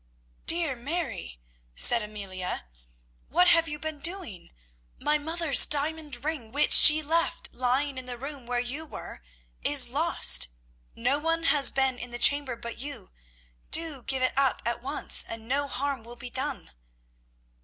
"Dear Mary," said Amelia, "what have you been doing? My mother's diamond ring, which she left lying in the room where you were, is lost. No one has been in the chamber but you. Do give it up at once, and no harm will be done."